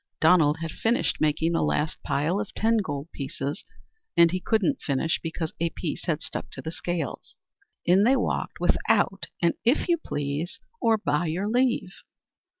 Donald had finished making the last pile of ten gold pieces. And he couldn't finish because a piece had stuck to the scales. In they walked without an "If you please" or "By your leave."